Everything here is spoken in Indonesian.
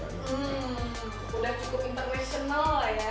udah cukup international lah ya